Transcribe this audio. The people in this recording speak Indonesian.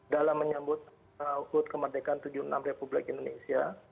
dalam menyambut hud kemerdekaan tujuh puluh enam republik indonesia